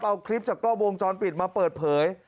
เอาคลิปจากกล้องวงจรปิดมาเปิดเผย